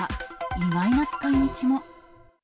意外な使いみちも。